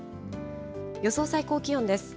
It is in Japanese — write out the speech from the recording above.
予想最高気温です。